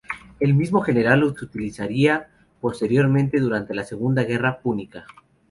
El mismo general los utilizaría posteriormente durante la segunda guerra púnica.